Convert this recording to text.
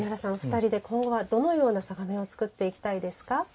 ２人で今後は、どのような嵯峨面を作っていきたいですか？